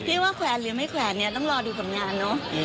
พี่ว่าแขวนหรือไม่แขวนต้องรอดูสำนักงานเนอะ